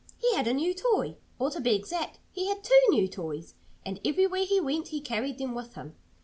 He had a new toy. Or to be exact, he had two new toys. And everywhere he went he carried them with him.